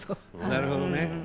なるほどね。